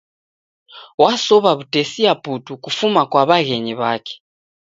Wasowa wu'tesia putu kufuma kwa wa'ghenyi wake